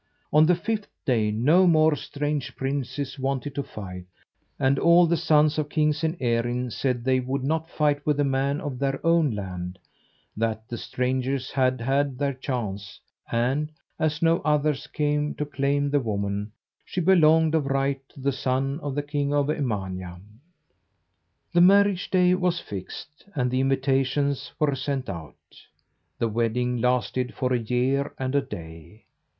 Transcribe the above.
On the fifth day no more strange princes wanted to fight; and all the sons of kings in Erin said they would not fight with a man of their own land, that the strangers had had their chance, and, as no others came to claim the woman, she belonged of right to the son of the king of Emania. The marriage day was fixed, and the invitations were sent out. The wedding lasted for a year and a day.